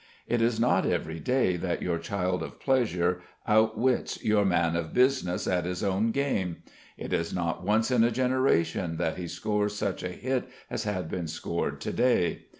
It is not every day that your child of pleasure outwits your man of business at his own game: it is not once in a generation that he scores such a hit as had been scored to day.